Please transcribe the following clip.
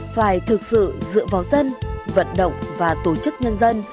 phải thực sự dựa vào dân vận động và tổ chức nhân dân